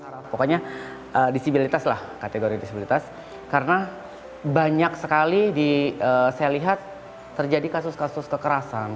pokoknya disabilitas lah kategori disabilitas karena banyak sekali saya lihat terjadi kasus kasus kekerasan